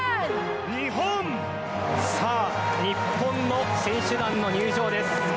さあ日本の選手団の入場です。